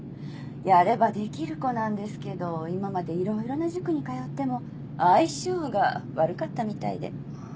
やればできる子なんですけど今までいろいろな塾に通っても相性が悪かったみたいで。